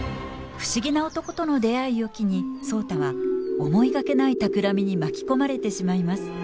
不思議な男との出会いを機に壮多は思いがけないたくらみに巻き込まれてしまいます。